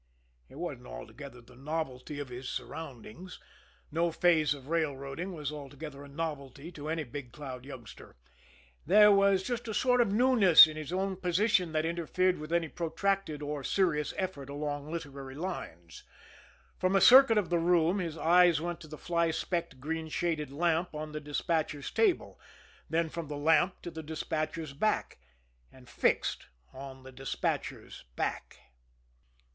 It wasn't altogether the novelty of his surroundings no phase of railroading was altogether a novelty to any Big Cloud youngster there was just a sort of newness in his own position that interfered with any protracted or serious effort along literary lines. From a circuit of the room, his eyes went to the fly specked, green shaded lamp on the despatcher's table, then from the lamp to the despatcher's back and fixed on the despatcher's back.